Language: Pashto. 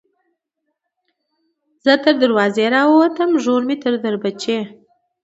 ـ زه تر دروازې راوتم نګور مې تر دريچې